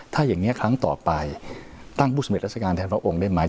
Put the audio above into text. ถ้าอย่างนี้ครั้งต่อไปตั้งผู้สำเร็จราชการแทนพระองค์ได้ไหม